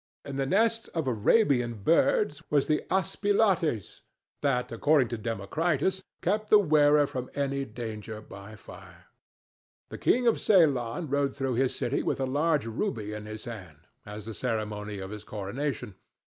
In the nests of Arabian birds was the aspilates, that, according to Democritus, kept the wearer from any danger by fire. The King of Ceilan rode through his city with a large ruby in his hand, as the ceremony of his coronation.